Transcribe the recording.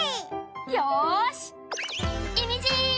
よーし、いみじ！